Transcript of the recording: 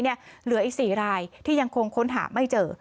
เหลืออีก๔รายที่ยังคงค้นหาไม่เจอ